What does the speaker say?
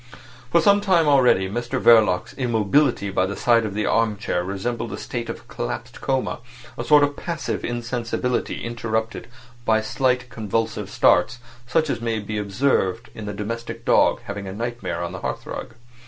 For sometime already Mr Verloc's immobility by the side of the arm chair resembled a state of collapsed coma—a sort of passive insensibility interrupted by slight convulsive starts, such as may be observed in the domestic dog having a nightmare on the hearthrug.